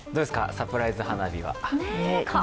サプライズ花火は。